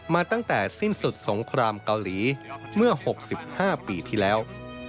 มาตั้งแต่สิ้นสุดสงครามเกาหลีเมื่อ๖๕ปีที่แล้ว